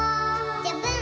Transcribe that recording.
「ジャブン！」